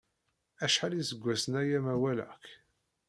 Acḥal iseggasen aya ma walaɣ-k.